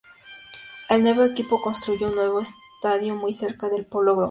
El nuevo equipo construyó un nuevo estadio muy cerca del Polo Grounds.